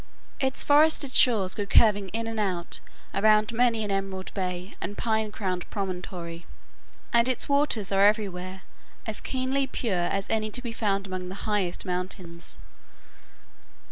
Its forested shores go curving in and out around many an emerald bay and pine crowned promontory, and its waters are everywhere as keenly pure as any to be found among the highest mountains.